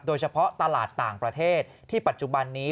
โดยเฉพาะตลาดต่างประเทศที่ปัจจุบันนี้